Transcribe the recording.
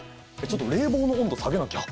ちょっと冷房の温度下げなきゃ。